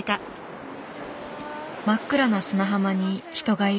真っ暗な砂浜に人がいる。